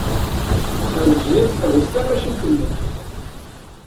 Ɛelǧiya teḥbes tamacint-nni.